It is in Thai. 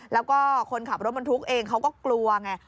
แล้วก็คนขับรถบรรทุกเองเขาก็กลัวไง